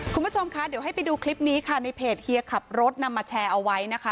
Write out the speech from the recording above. คุณผู้ชมคะเดี๋ยวให้ไปดูคลิปนี้ค่ะในเพจเฮียขับรถนำมาแชร์เอาไว้นะคะ